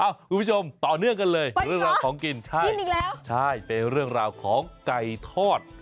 คุณผู้ชมต่อเนื่องกันเลยเรื่องราวของกินอีกแล้วใช่เป็นเรื่องราวของไก่ทอด